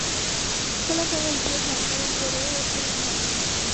Fue lanzada al río Saona dentro de un barril.